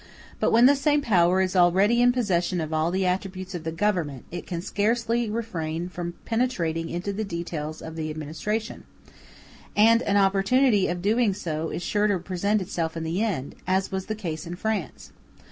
But when the same power is already in possession of all the attributes of the Government, it can scarcely refrain from penetrating into the details of the administration, and an opportunity of doing so is sure to present itself in the end, as was the case in France.